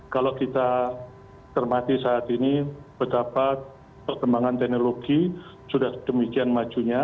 kalau kita termati saat ini betapa perkembangan teknologi sudah demikian majunya